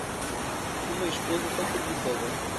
Uma esposa tão preguiçosa